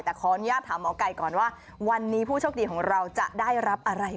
แต่ขออนุญาตถามหมอไก่ก่อนว่าวันนี้ผู้โชคดีของเราจะได้รับอะไร